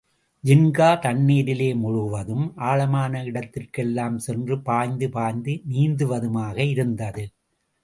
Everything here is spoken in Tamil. ஜின்கா தண்ணீரிலே முழுகுவதும், ஆழமான இடத்திற்கெல்லாம் சென்று பாய்ந்து பாய்ந்து நீந்துவதுமாக இருந்தது.